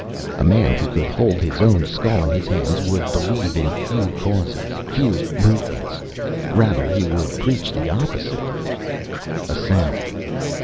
A man who could hold his own skull in his hands would believe in few causes, few movements. Rather, he would preach the opposite A sound.